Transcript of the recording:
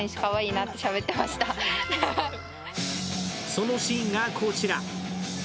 そのシーンがこちら。